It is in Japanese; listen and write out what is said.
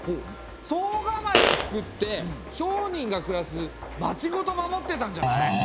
惣構をつくって商人が暮らす町ごと守ってたんじゃない？